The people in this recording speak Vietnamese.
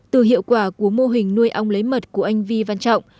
từ hiệu quả của mô hình nuôi ong lấy mật của anh vi văn trọng